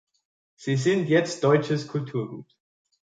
Sie sind jetzt deutsches Kulturgut.